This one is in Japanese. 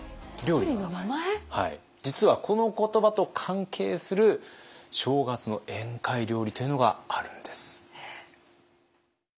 実はこの言葉と関係する正月の宴会料理というのがあるんです。